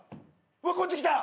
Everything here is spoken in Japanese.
うわっこっち来た。